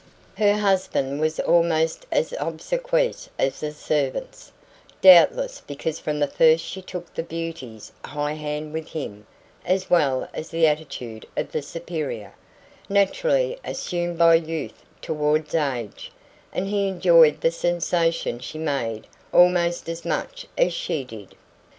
Her husband was almost as obsequious as the servants doubtless because from the first she took the beauty's high hand with him, as well as the attitude of the superior, naturally assumed by youth towards age and he enjoyed the sensation she made almost as much as she did.